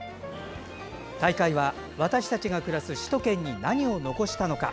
大会は私たちが暮らす首都圏に何を残したのか。